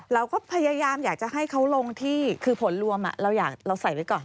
เราก็พยายามอยากจะให้เขาลงที่คือผลรวมเราใส่ไว้ก่อน